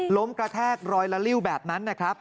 กระแทกรอยละลิ้วแบบนั้นนะครับ